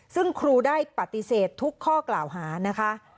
ซึ่งครูได้ปฏิเสธทุกข้อกล่าวหานะคะ